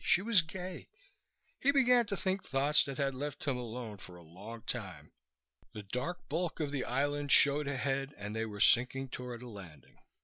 She was gay. He began to think thoughts that had left him alone for a long time. The dark bulk of the island showed ahead and they were sinking toward a landing.